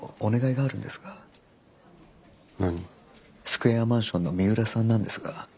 スクエアマンションの三浦さんなんですが。